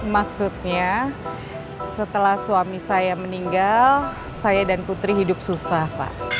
maksudnya setelah suami saya meninggal saya dan putri hidup susah pak